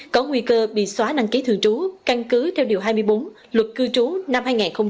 có nguy cơ bị xóa đăng ký thường trú căn cứ theo điều hai mươi bốn luật cư trú năm hai nghìn một mươi ba